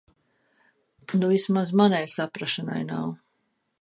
Nu vismaz manai saprašanai nav.